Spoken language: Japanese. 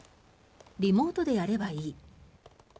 リモートでやればいい。